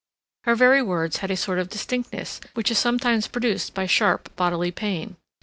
Her very words had a sort of distinctness which is sometimes produced by sharp, bodily pain.